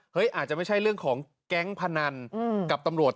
อาจจะไม่ใช่เรื่องของแก๊งพนันกับตำรวจ